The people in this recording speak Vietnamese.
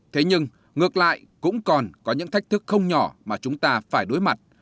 thế nhưng ngược lại cũng còn có những thách thức không nhỏ mà chúng ta phải đối mặt